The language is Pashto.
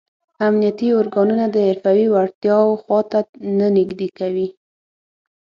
امنیتي ارګانونه د حرفوي وړتیاو خواته نه نږدې کوي.